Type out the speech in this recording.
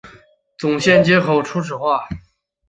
总线接口初始化